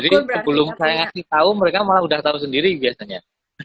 jadi sebelum saya ngasih tau mereka malah udah tau sendiri biasanya